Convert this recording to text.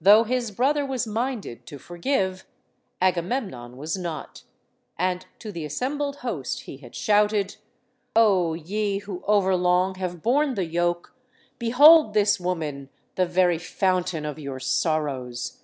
Though his brother was minded to forgive, Agamemnon was not. And to the assembled host he had shouted: "O ye who overlong have borne the yoke, behold this woman, the very fountain of your sorrows!